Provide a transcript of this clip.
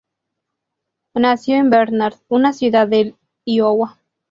Nació en Bernard, una ciudad de Iowa.